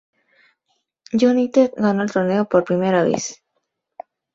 United ganó el torneo por primera vez.